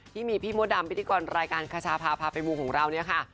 ที่มีพี่มดดำพิธีกรรายการคชาพาพาไปมูของเราเนี่ยค่ะ